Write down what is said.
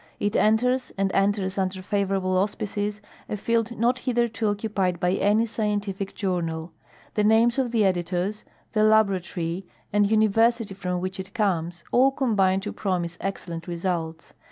It enters, and enters under favorable au spices, a field not hitherto occupied by any scientific journal. The names of the editors, the laboratory, and university from which it comes all combine to promise excellent results.